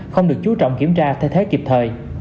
không được chú trọng kiểm tra thay thế kịp thời